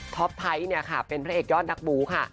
ท็อปไทยเป็นพระเอกยอดนักบู๋ค่ะ